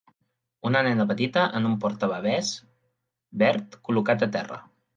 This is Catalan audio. Una nena petita en un portabebès verd col·locat a terra